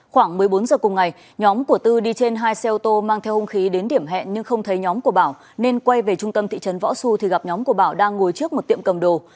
khoảng một mươi bốn h cùng ngày nhóm của tư đi trên hai xe ô tô mang theo hung khí đến điểm hẹn nhưng không thấy nhóm của bảo nên quay về trung tâm thị trấn võ xu thì gặp nhóm của bảo đang ngồi trước một tiệm cầm đồ